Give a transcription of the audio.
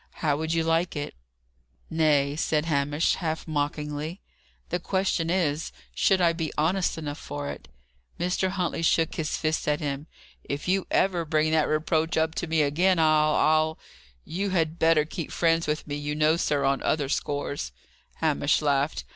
How would you like it?" "Nay," said Hamish, half mockingly: "the question is, should I be honest enough for it?" Mr. Huntley shook his fist at him. "If you ever bring that reproach up to me again, I'll I'll You had better keep friends with me, you know, sir, on other scores." Hamish laughed.